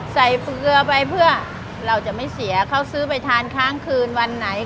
เปลือไปเพื่อเราจะไม่เสียเขาซื้อไปทานค้างคืนวันไหน